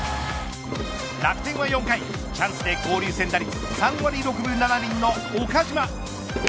楽天は４回チャンスで交流戦打率３割６分７厘の岡島。